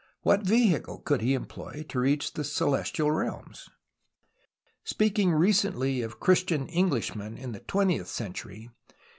What vehicle could he employ to reacli the celestial realms ? Speaking recently of Clu istian Englishmen in the twentieth century.